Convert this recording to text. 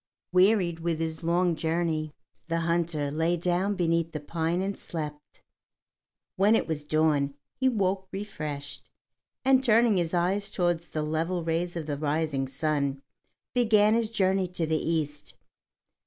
Wearied with his long journey, the hunter lay down beneath the pine and slept. When it was dawn he woke refreshed, and turning his eyes toward the level rays of the rising sun, began his journey to the east.